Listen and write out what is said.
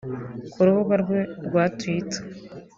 Ku rubuga rwe rwa Twitter